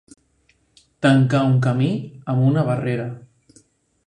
Tancar un camí amb una barrera.